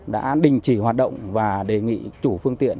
đã đình chỉ hoạt động và đề nghị chủ phương tiện